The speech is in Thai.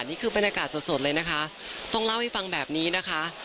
นี่คือบรรยากาศสดเลยนะคะต้องเล่าให้ฟังแบบนี้นะคะ